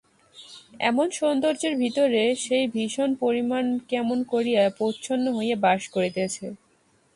এমন সৌন্দর্যের ভিতরে সেই ভীষণ পরিণাম কেমন করিয়া প্রচ্ছন্ন হইয়া বাস করিতেছে।